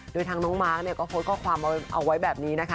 โดยทางน้องมาร์คเนี่ยก็โพสต์ข้อความเอาไว้แบบนี้นะคะ